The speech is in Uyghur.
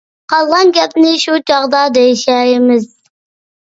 قالغان گەپنى شۇ چاغدا دېيىشەرمىز.